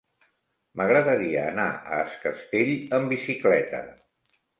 M'agradaria anar a Es Castell amb bicicleta.